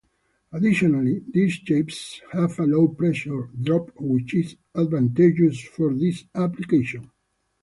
Additionally, these shapes have a low pressure drop which is advantageous for this application.